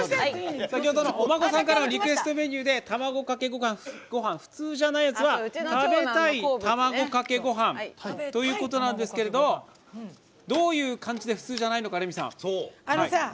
先ほどのお孫さんからのリクエストメニューで卵かけごはん普通じゃないやつは「食べタイ卵かけごはん」なんですがどういう感じで普通じゃないのか。